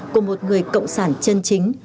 của một người cộng sản chân chính